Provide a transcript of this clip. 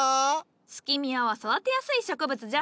スキミアは育てやすい植物じゃ。